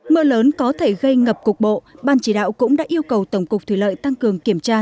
mưa lớn có thể gây ngập cục bộ ban chỉ đạo cũng đã yêu cầu tổng cục thủy lợi tăng cường kiểm tra